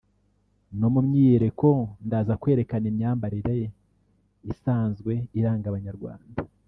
no mu myiyereko ndaza kwerekana imyambarire isanzwe iranga Abanyarwanda